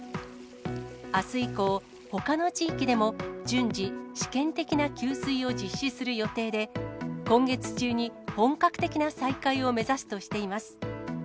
あす以降、ほかの地域でも、順次、試験的な給水を実施する予定で、今月中に本格的な再開を目指すとしています。